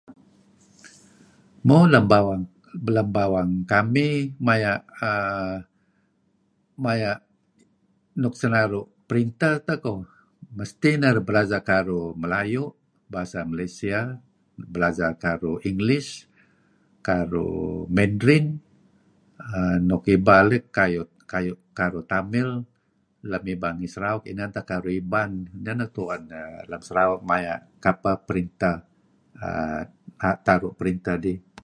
Mo lem bawang kamih maya' err maya' nuk senaru' perintah teh koh, mesti narih belajar karuh Melayu (Bahasa Malaysia), belajar karuh English, karuh Manderin nuk ibal dih kayu' karuh Tamil, lem ibal ngi Sarawak inan teh karuh Iban nuk tu'en deh lem Sarawak maya' nuk senaru' perinteh dih.